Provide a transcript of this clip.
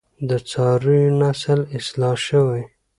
د څارویو نسل اصلاح شوی؟